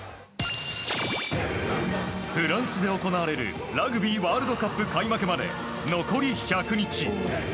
フランスで行われるラグビーワールドカップ開幕まで残り１００日。